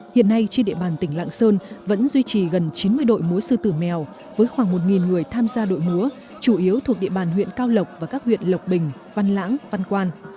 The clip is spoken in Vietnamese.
hiện nay trên địa bàn tỉnh lạng sơn vẫn duy trì gần chín mươi đội múa sư tử mèo với khoảng một người tham gia đội múa chủ yếu thuộc địa bàn huyện cao lộc và các huyện lộc bình văn lãng văn quan